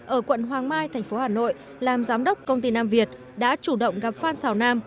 ở quận hoàng mai thành phố hà nội làm giám đốc công ty nam việt đã chủ động gặp phan xào nam